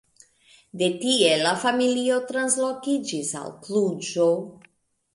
De tie la familio translokiĝis al Kluĵo.